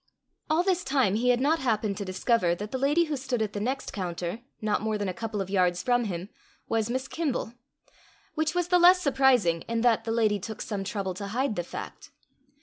All this time he had not happened to discover that the lady who stood at the next counter, not more than a couple of yards from him, was Miss Kimble which was the less surprising in that the lady took some trouble to hide the fact.